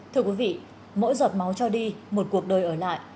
thưa quý vị mỗi giọt máu cho đi một cuộc đời ở lại